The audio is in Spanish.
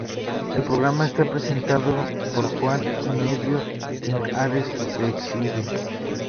El programa está presentado por Juan y Medio y Ares Teixidó.